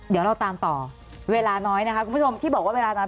เดี๋ยวเราตามต่อเวลาน้อยนะคะคุณผู้ชมที่บอกว่าเวลานั้น